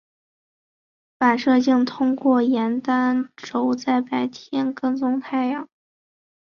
反射镜通过沿单轴在白天跟踪太阳。